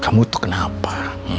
kamu tuh kenapa